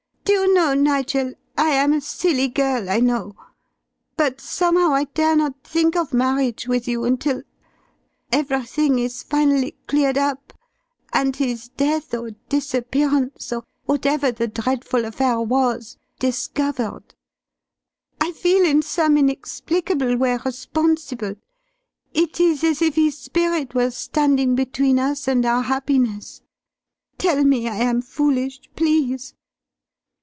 "Do you know, Nigel, I am a silly girl, I know, but somehow I dare not think of marriage with you until everything is finally cleared up, and his death or disappearance, or whatever the dreadful affair was, discovered. I feel in some inexplicable way responsible. It is as if his spirit were standing between us and our happiness. Tell me I am foolish, please."